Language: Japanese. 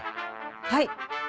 はい。